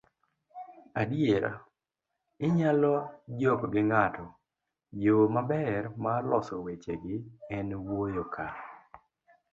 adiera, inyalo jok gi ng'ato. yo maber mar loso wechegi en wuoyo ka